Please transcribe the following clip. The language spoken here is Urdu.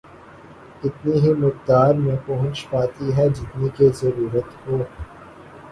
اتنی ہی مقدار میں پہنچ پاتی ہے جتنی کہ ضرورت ہو